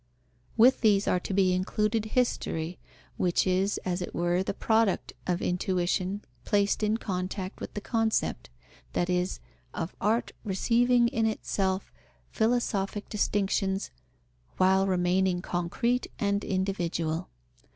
With these are to be included History, which is, as it were, the product of intuition placed in contact with the concept, that is, of art receiving in itself philosophic distinctions, while remaining concrete and individual.